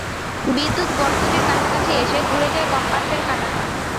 বিদ্যুৎ বর্তনীর কাছাকাছি এসে ঘুরে যায় কম্পাসের কাঁটাটা।